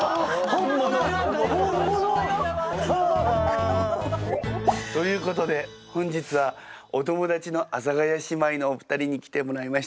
本物本物。ということで本日はお友達の阿佐ヶ谷姉妹のお二人に来てもらいました。